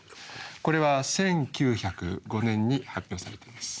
これは１９０５年に発表されています。